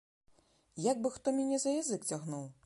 Як бы хто мяне за язык цягнуў.